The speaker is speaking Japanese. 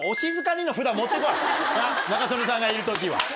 仲宗根さんがいる時は。